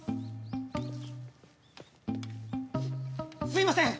すすいません！